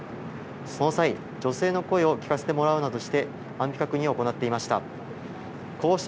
その際、女性の声を聞かせてもらうなどして、安否確認を行っていました。